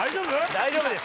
大丈夫です！